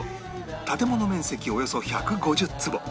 建物面積およそ１５０坪